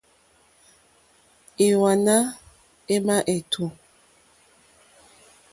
Ìwàná émá ètǔ.